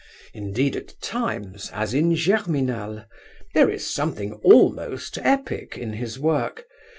Indeed at times, as in Germinal, there is something almost epic in his work.